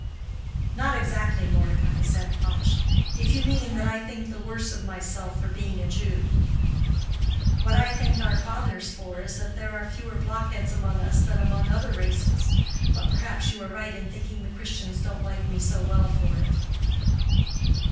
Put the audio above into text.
"Not exactly, Mordecai," said Pash, "if you mean that I think the worse of myself for being a Jew. What I thank our fathers for is that there are fewer blockheads among us than among other races. But perhaps you are right in thinking the Christians don't like me so well for it."